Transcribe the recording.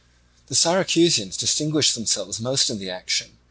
The Syracusans distinguished themselves most in the action.